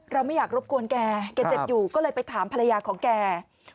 ไม่อยากรบกวนแกแกเจ็บอยู่ก็เลยไปถามภรรยาของแก